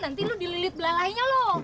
nanti lu dililit belah lainnya lho